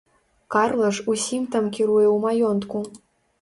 Карла ж усім там кіруе ў маёнтку.